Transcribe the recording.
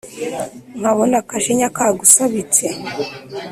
nkabona akajinya kagusabitse